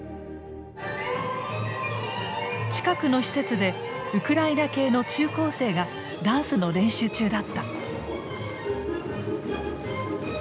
近くの施設でウクライナ系の中高生がダンスの練習中だった。